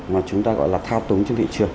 mà chúng ta gọi là thao túng trên thị trường